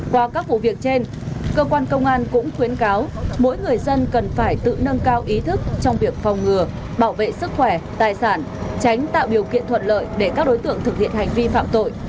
qua các vụ việc trên cơ quan công an cũng khuyến cáo mỗi người dân cần phải tự nâng cao ý thức trong việc phòng ngừa bảo vệ sức khỏe tài sản tránh tạo điều kiện thuận lợi để các đối tượng thực hiện hành vi phạm tội